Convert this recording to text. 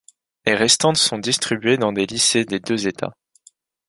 Les restantes sont distribuées dans des lycées des deux États.